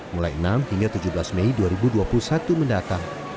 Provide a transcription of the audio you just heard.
mulai enam hingga tujuh belas mei dua ribu dua puluh satu mendatang